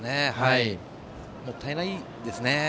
もったいないですね。